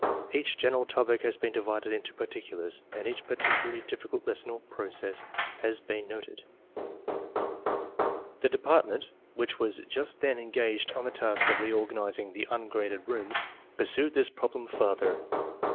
Each general topic has been divided into particulars, and each particularly difficult lesson or process has been noted. The Department, which was just then engaged on the task of reorganizing the Ungraded Rooms, pursued this problem farther.